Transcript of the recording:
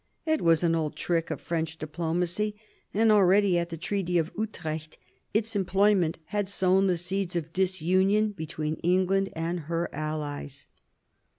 It was an old trick of French diplomacy, and already at the Treaty of Utrecht its employment had sown the seeds of disunion between England and her allies.